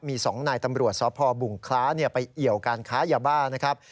มี๒นายตำรวจสพบุงคล้าไปเอี่ยวการค้ายาบ้านะครับ